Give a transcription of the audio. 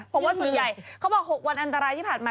พวกมันสุดใหญ่เค้าบอก๖วันอันตรายที่ผ่านมา